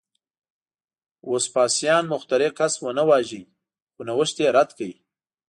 وسپاسیان مخترع کس ونه واژه، خو نوښت یې رد کړ